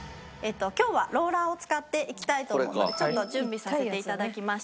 今日はローラーを使っていきたいと思うのでちょっと準備させていただきました。